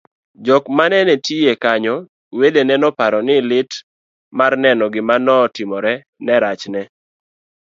jok manenitiyie kanyo, wedene noparo ni lit mar neno gima notimorene nerachne